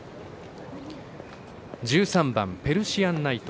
１３番ペルシアンナイト。